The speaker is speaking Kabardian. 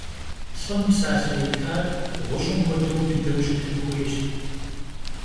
Lh'ım psalhe yitar ğuş'ım xuedeu bıdeu şıtın xuêyş.